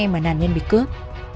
mà nạn nhân bị cướp